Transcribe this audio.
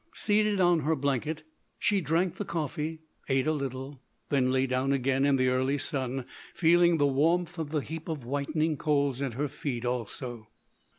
Seated in her blanket, she drank the coffee; ate a little; then lay down again in the early sun, feeling the warmth of the heap of whitening coals at her feet, also.